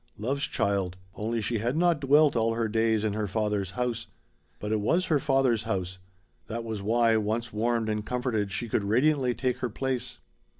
Love's child only she had not dwelt all her days in her father's house. But it was her father's house; that was why, once warmed and comforted, she could radiantly take her place.